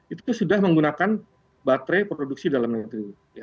itu sudah menggunakan baterai produksi dalam nilai itu